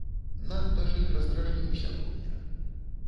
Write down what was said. Надта ж іх раздражніў сягоння.